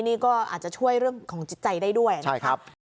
นี่ก็อาจจะช่วยเรื่องของใจได้ด้วยนะครับใช่ครับ